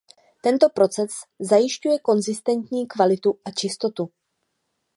Tento proces zajišťuje konzistentní kvalitu a čistotu.